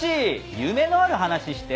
夢のある話して！